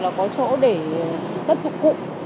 là có chỗ để tất thực cụ